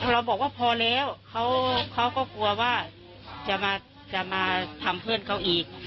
เราบอกว่าพอแล้วเขาก็กลัวว่าจะมาทำเพื่อนเขาอีก